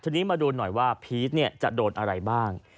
ทีนี้มาดูหน่อยว่าพีชจะโดนอะไรบ้าง